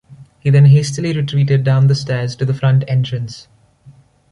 He then hastily retreated down the stairs to the front entrance.